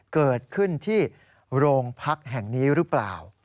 เกิดขึ้นที่โรงพักแห่งนี้หรือเปล่า